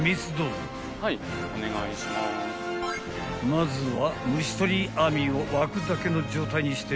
［まずは］